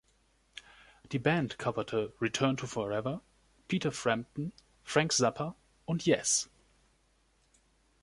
Die Band coverte Return to Forever, Peter Frampton, Frank Zappa und Yes.